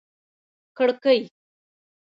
کړکۍ